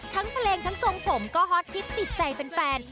ทั้งเพลงทั้งทรงผมก็ฮอตฮิตติดใจแฟน